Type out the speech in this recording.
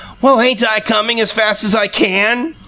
"Well, ain't I coming fast as I CAN?"